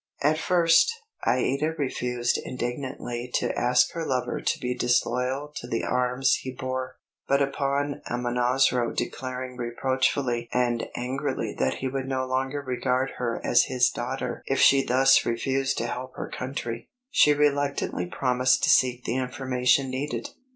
At first, Aïda refused indignantly to ask her lover to be disloyal to the arms he bore; but upon Amonasro declaring reproachfully and angrily that he would no longer regard her as his daughter if she thus refused to help her country, she reluctantly promised to seek the information needed.